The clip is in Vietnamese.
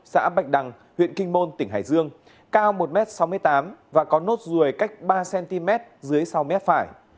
xã bạch đằng huyện kinh môn tỉnh hải dương cao một m sáu mươi tám và có nốt ruồi cách ba cm dưới sau mép phải